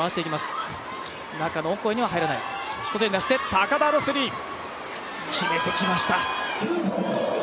高田のスリー、決めてきました。